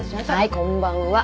こんばんは。